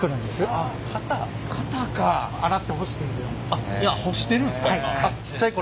あっ干してるんですか今。